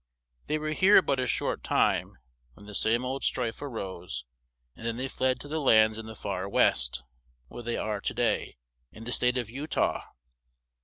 They were here but a short time when the same old strife a rose, and then they fled to the lands in the far west where they are to day, in the state of Utah.